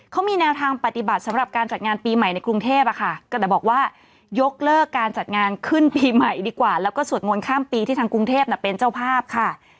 เขามีแนวทางปฏิบัติสำหรับการจัดงานปีใหม่ในกรุงเทพอะค่ะก็แต่บอกว่ายกเลิกการจัดงานขึ้นปีใหม่ดีกว่าแล้วก็สวดมนต์ข้ามปีที่ทางกรุงเทพเป็นเจ้าภาพค่ะ